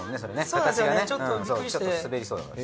形がねちょっと滑りそう。